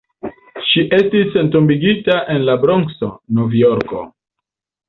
Ŝi estis entombigita en la Bronkso, Nov-Jorko.